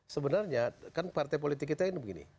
sebenarnya kan partai politik kita ini begini